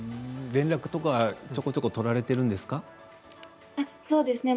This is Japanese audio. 連絡とか、ちょこちょこ取られているんですか？